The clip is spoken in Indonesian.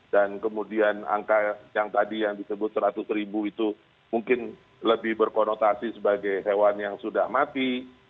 dan kemudian angka yang tadi yang disebut seratus ribu itu mungkin lebih berkonotasi sebagai hewan yang sudah mati